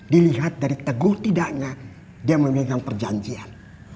dilihat dari teguh tidaknya dia memegang perjanjian